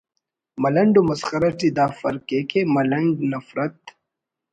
”ملنڈ و مسخرہ ٹی دا فرق ءِ کہ ملنڈ نفرت